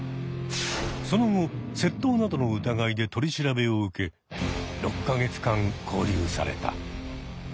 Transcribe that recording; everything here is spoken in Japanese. その後窃盗などの疑いで取り調べを受け６か月間勾留された。